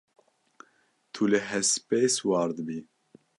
Tu li hespê siwar dibî?